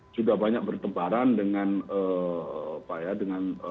sudah banyak bertemparan dengan